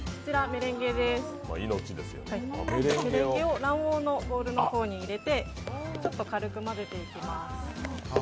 メレンゲを卵黄のボウルの方に入れてちょっと軽く混ぜていきます。